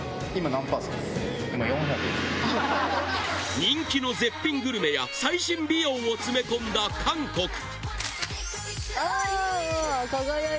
人気の絶品グルメや最新美容を詰め込んだ韓国あいい！